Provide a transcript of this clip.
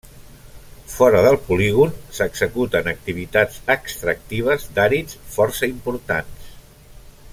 Fora del polígon s'executen activitats extractives d'àrids força importants.